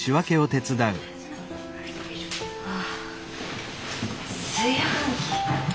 ああ炊飯器。